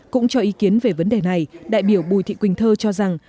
cũng cho ý kiến về vấn đề này đại biểu bùi thị quỳnh thơ cho rằng